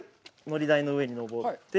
台の上に上って。